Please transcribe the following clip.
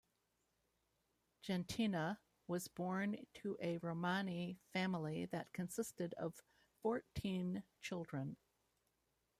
Jentina was born to a Romani family that consisted of fourteen children.